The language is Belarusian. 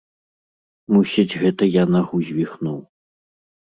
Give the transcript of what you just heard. Мусіць, гэта я нагу звіхнуў.